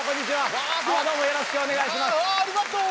ああありがとう！